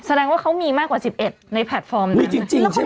แสดงว่าเขามีมากกว่า๑๑ในแพลตฟอร์มนั้นอุ้ยจริงจริงใช่ไหม